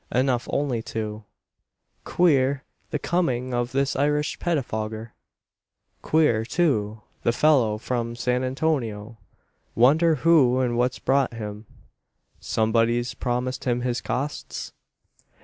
Enough only to . "Queer, the coming of this Irish pettifogger! "Queer, too, the fellow from San Antonio! Wonder who and what's brought him? Somebody's promised him his costs?